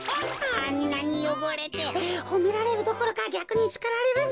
あんなによごれてほめられるどころかぎゃくにしかられるんじゃないか？